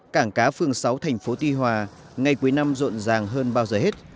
cảng cá phường sáu thành phố tuy hòa ngày cuối năm rộn ràng hơn bao giờ hết